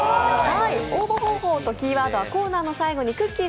応募方法とキーワードはコーナーの最後にくっきー！